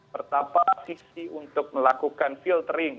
pertama visi untuk melakukan filtering